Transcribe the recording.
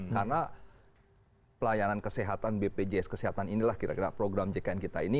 karena pelayanan kesehatan bpjs kesehatan inilah kira kira program jkn kita ini